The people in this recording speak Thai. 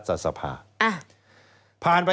สวัสดีค่ะต้องรับคุณผู้ชมเข้าสู่ชูเวสตีศาสตร์หน้า